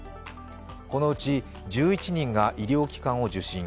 このうち１１人が医療機関を受診。